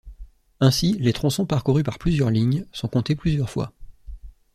Ainsi les tronçons parcourus par plusieurs lignes sont comptés plusieurs fois.